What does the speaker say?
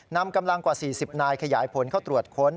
นำกำลังกว่า๔๐นายขยายผลเข้าตรวจค้น